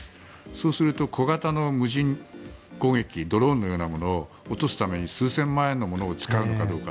そうすると小型の無人攻撃機ドローンのようなものを落とすために数千万円のものを使うのかどうか。